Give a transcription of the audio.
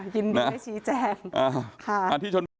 ยินดีให้ชี้แจ้ง